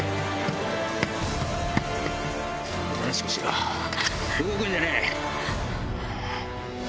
おとなしくしろ動くんじゃねえ！